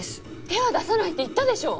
手は出さないって言ったでしょ！